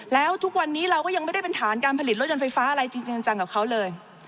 แล้วทุกวันนี้เราก็ยังไม่ได้เป็นฐานการผลิตรถยนต์ไฟฟ้าอะไรจริงจังกับเขาเลย